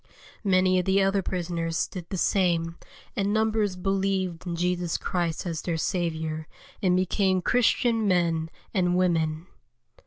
Many of the other prisoners did the same, and numbers believed in Jesus Christ as their Saviour, and became Christian men and we men.